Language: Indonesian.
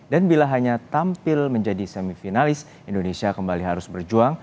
dan bila hanya tampil menjadi semifinalis indonesia kembali harus berjuang